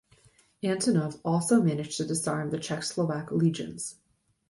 Antonov also managed to disarm the Czechoslovak legions.